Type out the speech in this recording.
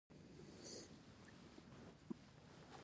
مړه ته د نیکو ملګرو دعا ورسېږي